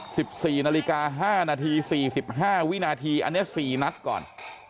สิบสี่นาฬิกาห้านาทีสี่สิบห้าวินาทีอันเนี้ยสี่นัดก่อน